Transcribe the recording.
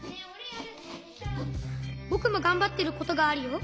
ぼくもがんばってることがあるよ。